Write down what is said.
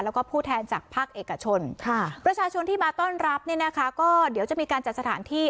แล้วก็ผู้แทนจากภาคเอกชนประชาชนที่มาต้อนรับเนี่ยนะคะก็เดี๋ยวจะมีการจัดสถานที่